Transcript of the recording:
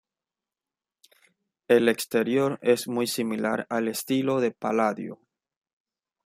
El exterior es muy similar al estilo de Palladio.